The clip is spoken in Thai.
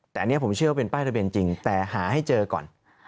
แต่อันนี้ผมเชื่อว่าเป็นป้ายทะเบียนจริงแต่หาให้เจอก่อน